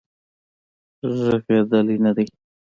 غړیدلې نه دی